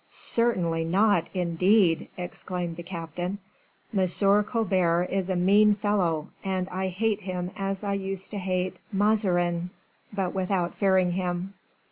"Certainly not, indeed!" exclaimed the captain. "M. Colbert is a mean fellow, and I hate him as I used to hate Mazarin, but without fearing him."